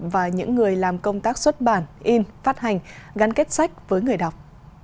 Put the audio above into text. và những người làm công tác xuất bản in phát hành gắn kết sách với người đọc